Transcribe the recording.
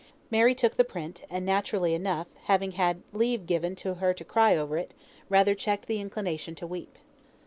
Mary took the print, and naturally enough, having had leave given her to cry over it, rather checked the inclination to weep.